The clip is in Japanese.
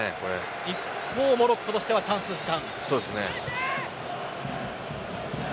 一方、モロッコとしてはチャンスの時間。